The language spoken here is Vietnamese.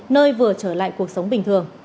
nơi vừa trở lại cuộc sống bình thường